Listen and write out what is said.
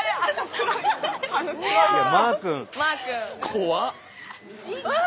怖っ！